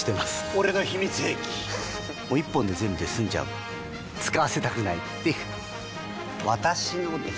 俺の秘密兵器１本で全部済んじゃう使わせたくないっていう私のです！